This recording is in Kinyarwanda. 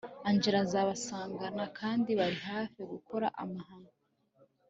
angella azabasangana kandi bari hafi gukora amahano